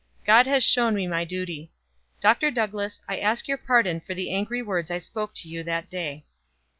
God has shown me my duty. Dr. Douglass, I ask your pardon for the angry words I spoke to you that day."